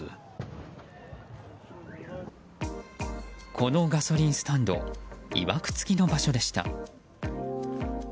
このガソリンスタンドいわくつきの場所でした。